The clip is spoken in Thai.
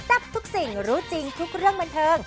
ทับทุกสิ่งรู้จริงทุกเรื่องบันเทิง